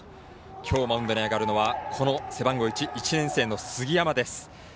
きょうマウンドに上がるのは背番号１、１年生の杉山です。